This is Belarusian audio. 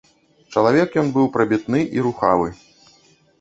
Чалавек ён быў прабітны і рухавы.